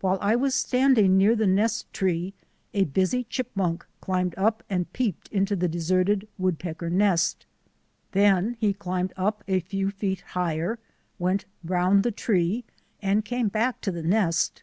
While I was standing near the nest tree a busy chipmunk climbed up and peeped into the deserted woodpecker nest. Then he climbed up a few feet higher, went round the tree and came back to the nest.